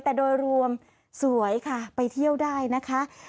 แต่โดยรวมสวยค่ะไปเที่ยวได้นะคะ